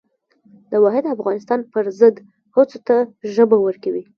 د واحد افغانستان پر ضد هڅو ته ژبه ورکوي.